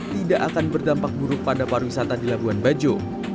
tidak akan berdampak buruk pada pariwisata di labuan bajo